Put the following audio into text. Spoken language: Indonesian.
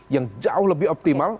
yang jauh lebih optimal